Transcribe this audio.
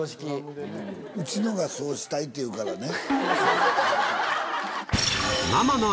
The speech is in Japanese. うちのがそうしたいって言うからね。